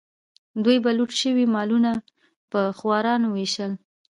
دوی به لوټ شوي مالونه په خوارانو ویشل.